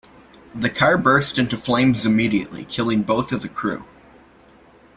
The car burst into flames immediately, killing both of the crew.